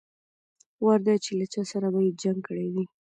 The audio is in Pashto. وار دا چې له چا سره به يې جنګ کړى وي.